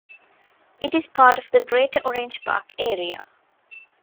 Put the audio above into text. It is part of the greater Orange Park area.